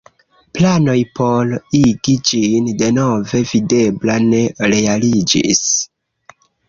Planoj por igi ĝin denove videbla ne realiĝis.